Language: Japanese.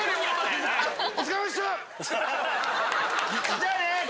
じゃあね！